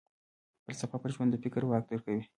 فلسفه پر ژوند د فکر واک درکوي.